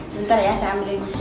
sebentar ya saya ambil